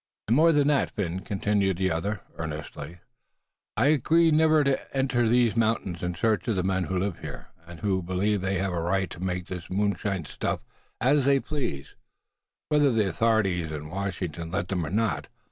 "And more than that, Phin," continued the other, earnestly, "I agree never again to enter these mountains in search of the men who live here, and who believe they have a right to make this moonshine stuff as they please, whether the authorities down in Washington let them or not.